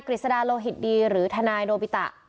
พูดเหมือนเดิมคือพูดอะไร